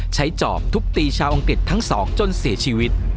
จอบทุบตีชาวอังกฤษทั้งสองจนเสียชีวิต